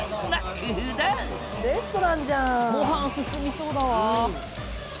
ごはん進みそうだわ。